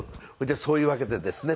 そういうわけでですねっていう。